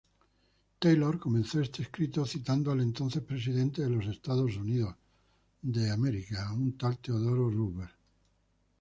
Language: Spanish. Taylor comenzó este escrito citando al entonces Presidente de los Estados Unidos, Theodore Roosevelt.